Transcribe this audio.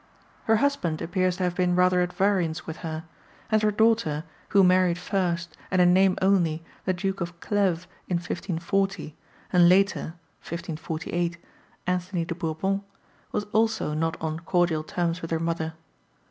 Her husband appears to have been rather at variance with her; and her daughter, who married first, and in name only, the Duke of Cleves in 1540, and later (1548) Anthony de Bourbon, was also not on cordial terms with her mother.